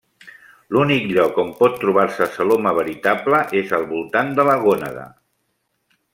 L'únic lloc on pot trobar-se celoma veritable és al voltant de la gònada.